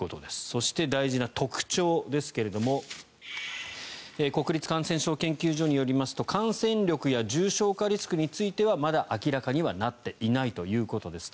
そして大事な特徴ですが国立感染症研究所によりますと感染力や重症化リスクについてはまだ明らかにはなっていないということです。